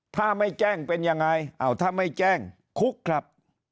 ถ้าไม่แจ้งเป็นยังไงอ้าวถ้าไม่แจ้งคุกครับ